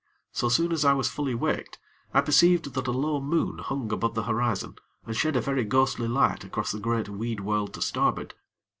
So soon as I was fully waked, I perceived that a low moon hung above the horizon, and shed a very ghostly light across the great weed world to starboard.